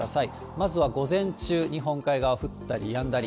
まずは午前中、日本海側降ったりやんだり。